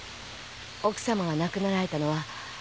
奥様が亡くなられたのは。